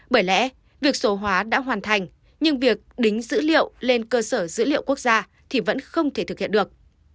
bởi lẽ việc số hóa đã hoàn thành nhưng việc đính dữ liệu lên cơ sở dữ liệu quốc gia thì vẫn không thể thực hiện được